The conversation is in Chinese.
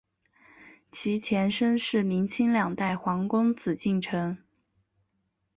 其前身是明清两代皇宫紫禁城。